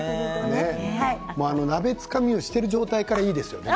鍋つかみをしている状態から、いいですよね。